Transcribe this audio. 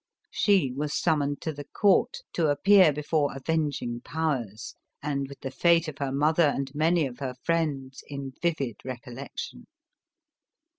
She was summoned to the court, to appear before avenging powers, and with the fate of her mother and many of her friends in vivid recollection.